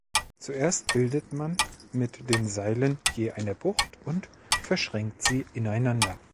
Zuerst bildet man mit den Seilen je eine Bucht und verschränkt sie ineinander.